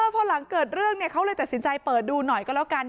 พอหลังเกิดเรื่องเขาเลยตัดสินใจเปิดดูหน่อยก็แล้วกัน